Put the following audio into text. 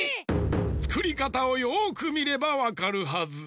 つくりかたをよくみればわかるはず。